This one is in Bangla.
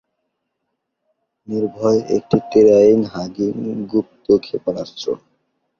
নির্ভয় একটি টেরাইন-হাগিং গুপ্ত ক্ষেপণাস্ত্র।